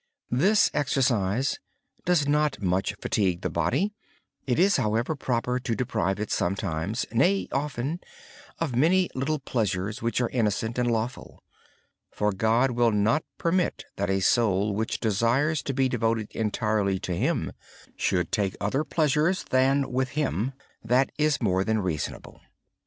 This practice does not tire the body. It is, however, proper to deprive it sometimes, nay often, of many little pleasures which are innocent and lawful. God will not permit a soul that desires to be devoted entirely to Him to take pleasures other than with Him. That is more than reasonable.